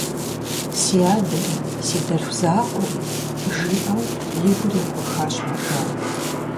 Си адэри, си дэлъху закъуэри, – жиӏэу, и гур ехуэхащ Мэржан.